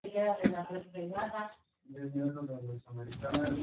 Trabajó como un colega de alto nivel con Henrietta Swan Leavitt.